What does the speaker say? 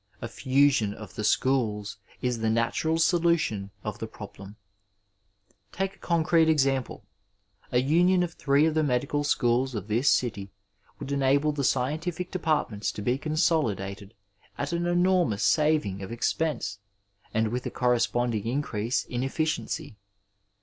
A fusion of the schools is the natural solu tion of the problem. Take a concrete example : A union of three of the medical schools of this city would enable the scientific departments to be consolidated at an enormous saving of expense and with a corresponding increase in efficiency.